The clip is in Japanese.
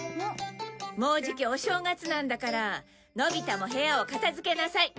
もうじきお正月なんだからのび太も部屋を片付けなさい。